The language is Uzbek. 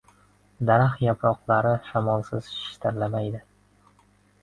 • Daraxt yaproqlari shamolsiz shitirlamaydi.